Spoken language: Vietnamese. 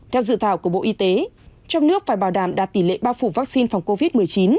theo dự thảo của bộ y tế trong nước phải bảo đảm đạt tỷ lệ bao phủ vaccine phòng covid một mươi chín